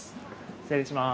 失礼します。